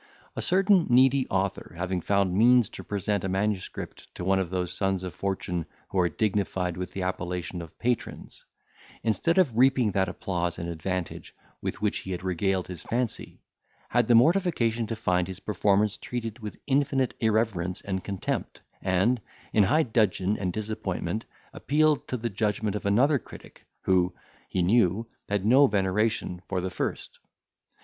A certain needy author having found means to present a manuscript to one of those sons of fortune who are dignified with the appellation of patrons, instead of reaping that applause and advantage with which he had regaled his fancy, had the mortification to find his performance treated with infinite irreverence and contempt, and, in high dudgeon and disappointment, appealed to the judgment of another critic, who, he knew, had no veneration for the first.